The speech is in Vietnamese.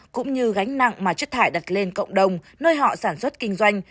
cũng như gánh nặng mà chất thải đặt lên cộng đồng nơi họ sản xuất kinh doanh